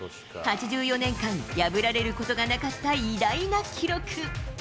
８４年間、破られることがなかった偉大な記録。